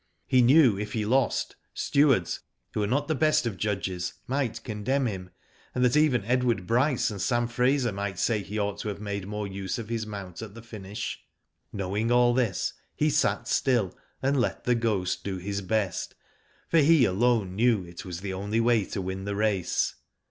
He knew if he lost, Stewards, who are not the best of judges, might condemn him, and that even Edward Bryce and Sam Fraser might say he ought to have made more use of his mount at the finish. Knowing all this, he sat still and let The Ghost do his best, for he alone knew it was the only way to win the race.